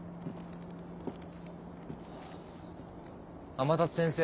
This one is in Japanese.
天達先生。